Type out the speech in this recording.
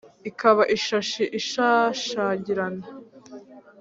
Ikaba ishashi ishashagirana